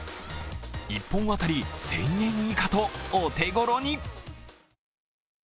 １本当たり１０００円以下とお手頃に。